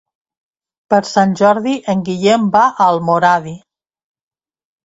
Per Sant Jordi en Guillem va a Almoradí.